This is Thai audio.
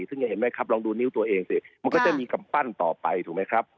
ซึ่งจะเห็นไหมครับลองดูนิ้วตัวเองสิมันก็จะมีกำปั้นต่อไปถูกไหมครับ